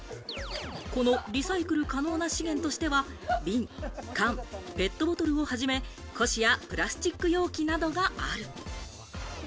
このリサイクル可能な資源としては、びん、缶、ペットボトルをはじめ、古紙やプラスチック容器などがある。